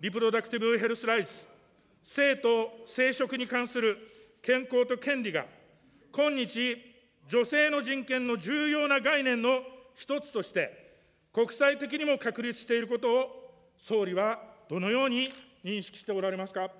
リプロダクティブヘルス・ライツ性と生殖に関する健康と権利が、今日、女性の人権の重要な概念の一つとして国際的にも確立していることを総理はどのように認識しておられますか。